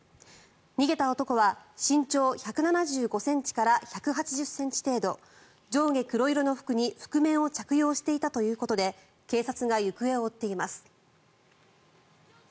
逃げた男は、身長１７５ｃｍから１８０ｃｍ程度上下黒色の服に覆面を着用していたということで警察が行方を追っています。